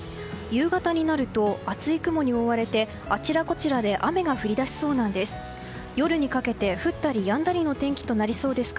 夕方になると、厚い雲に覆われてあちらこちらで雨が降り出しそうなんです。